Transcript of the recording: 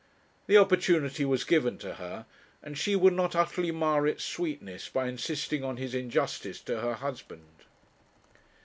The opportunity was given to her, and she would not utterly mar its sweetness by insisting on his injustice to her husband.